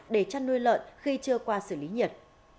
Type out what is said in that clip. để chăn nuôi lợn khi chưa qua xử lý nhiệt